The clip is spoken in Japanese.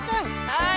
はい！